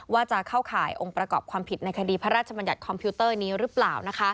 ว่าจะเข้าข่ายองค์ประกอบความผิดในคดีพระราชบัญญัติคอมพิวเตอร์นี้หรือเปล่า